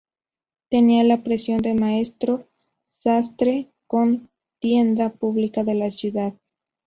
Tenía la profesión de maestro sastre con tienda pública en la ciudad.